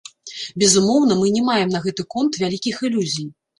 Безумоўна, мы не маем на гэты конт вялікіх ілюзій.